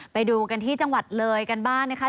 ไปดูกันที่จังหวัดเลยกันบ้างนะคะ